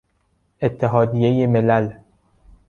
اتحادیهی ملل